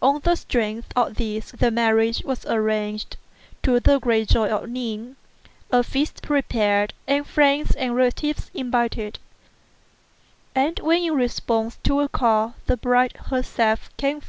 On the strength of this the marriage was arranged to the great joy of Ning, a feast prepared, and friends and relatives invited; and when in response 3 See note 9 to the last story.